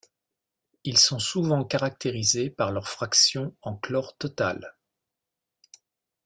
Ils sont souvent caractérisés par leur fraction en chlore total.